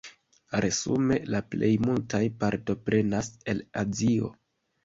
Resume la plej multaj partoprenas el Azio.